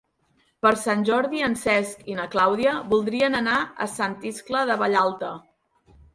Per Sant Jordi en Cesc i na Clàudia voldrien anar a Sant Iscle de Vallalta.